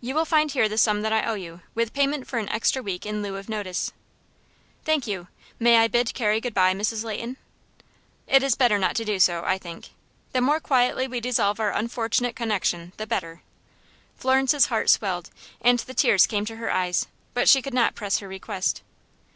"You will find here the sum that I owe you, with payment for an extra week in lieu of notice." "Thank you. May I bid Carrie good by, Mrs. Leighton?" "It is better not to do so, I think. The more quietly we dissolve our unfortunate connection the better!" Florence's heart swelled, and the tears came to her eyes, but she could not press her request.